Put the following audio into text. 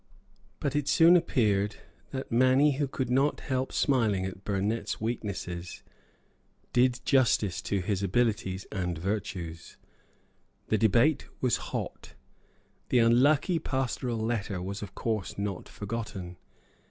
But it soon appeared that many who could not help smiling at Burnet's weaknesses did justice to his abilities and virtues. The debate was hot. The unlucky Pastoral Letter was of course not forgotten.